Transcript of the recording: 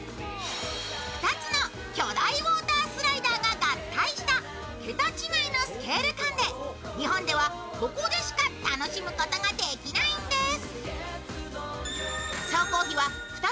２つのウォータースライダーが合体した桁違いのスケール感で日本ではここでしか楽しむことができないです。